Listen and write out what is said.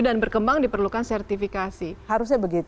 dan berkembang diperlukan sertifikasi